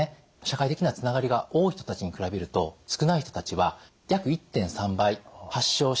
社会的なつながりが多い人たちに比べると少ない人たちは約１．３倍発症しやすいというふうな結果が出ています。